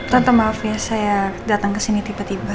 tanpa maaf ya saya datang ke sini tiba tiba